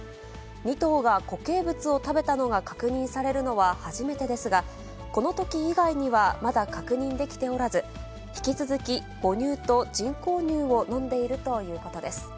２頭が固形物を食べたのが確認されるのは初めてですが、このとき以外にはまだ確認できておらず、引き続き、母乳と人工乳を飲んでいるということです。